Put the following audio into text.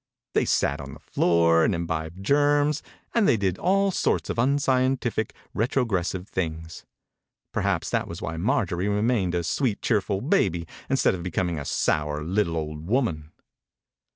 They sat on the floor and imbibed germs, and they did all sorts of unscientific, retro gressive things. Perhaps that was why Marjorie remained a sweet, cheerful baby instead of becoming a sour little old woman.